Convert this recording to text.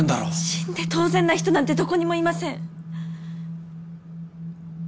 死んで当然な人なんてどこにもいません！